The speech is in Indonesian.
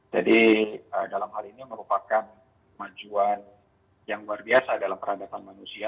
jadi dalam hal ini merupakan kemajuan yang luar biasa dalam peradatan manusia